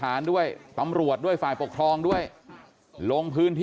พ่อขออนุญาตพ่อขออนุญาต